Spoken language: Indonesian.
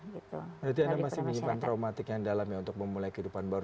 berarti anda masih mengikuti trauma yang dalam untuk memulai kehidupan baru